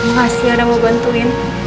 makasih udah mau bantuin